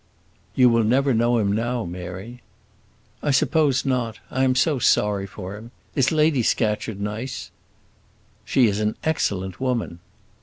"You will never know him now, Mary." "I suppose not. I am so sorry for him. Is Lady Scatcherd nice?" "She is an excellent woman."